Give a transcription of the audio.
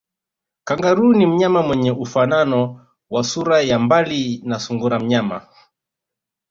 Kangaroo ni mnyama mwenye ufanano wa sura kwa mbali na sungura mnyama